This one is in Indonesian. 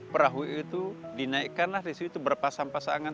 perahu itu dinaikkanlah disitu berpasang pasangan